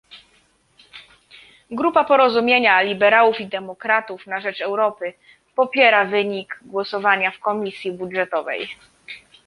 Grupa Porozumienia Liberałów i Demokratów na rzecz Europy popiera wynik głosowania w Komisji Budżetowej